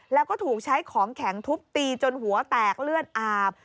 แล้วก็ถูกใช้ของแข็งทุบตีจนหัวแตกเลือดอาบ